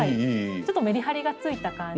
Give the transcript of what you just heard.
ちょっとメリハリがついた感じ。